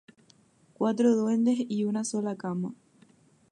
Cuatro duendes y una sola cama".